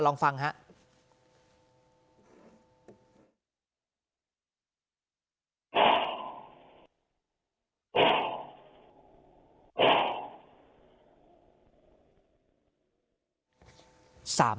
ลองฟังครับ